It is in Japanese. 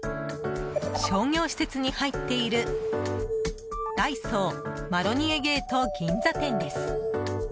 商業施設に入っている、ダイソーマロニエゲート銀座店です。